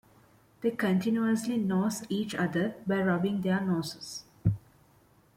They continuously nose each other by rubbing their noses.